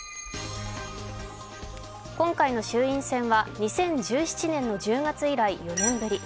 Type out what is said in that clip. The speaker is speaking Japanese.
今回の衆院選は２０１７年の１０月以来４年ぶり。